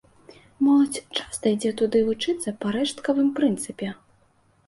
Моладзь часта ідзе туды вучыцца па рэшткавым прынцыпе.